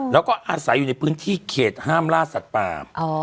แล้วก็อาศัยอยู่ในพื้นที่เขตห้ามล่าสัตว์ป่า